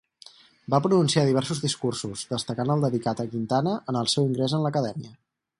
Va pronunciar diversos discursos, destacant el dedicat a Quintana en el seu ingrés en l'Acadèmia.